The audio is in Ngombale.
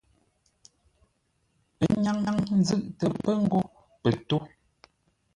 Ə́ nyáŋ nzʉ́ʼtə pə ngó pə tó.